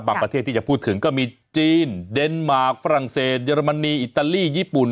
ประเทศที่จะพูดถึงก็มีจีนเดนมาร์คฝรั่งเศสเยอรมนีอิตาลีญี่ปุ่น